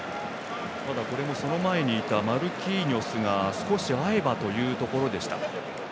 これも、その前にいたマルキーニョスがすこし合えばというところ。